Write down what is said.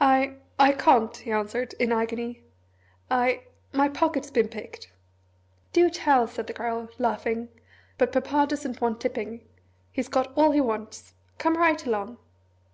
"I I can't," he answered, in an agony. "I my pocket's been picked " "Do tell!" said the Girl, laughing; "but Papa doesn't want tipping he's got all he wants come right along."